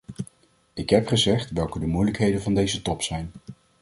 Ik heb gezegd welke de moeilijkheden van deze top zijn.